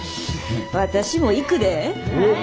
私も行くで。